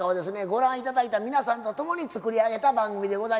ご覧頂いた皆さんと共に作り上げた番組でございます。